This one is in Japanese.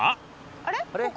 あれ？